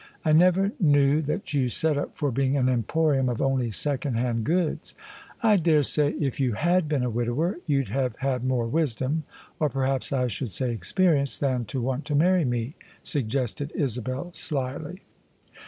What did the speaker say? I never knew that you set up for being an emporium of only second hand goods." " I daresay if you had been a widower, you'd have had more wisdom — or perhaps I should say experience — than to want to marry me," suggested Isabel slily.